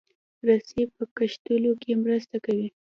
رسۍ په کښلو کې مرسته کوي.